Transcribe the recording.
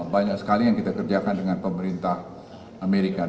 banyak sekali yang kita kerjakan dengan pemerintah amerika